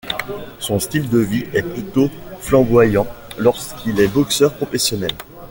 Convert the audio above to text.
Son style de vie est plutôt flamboyant lorsqu'il est boxeur professionnel.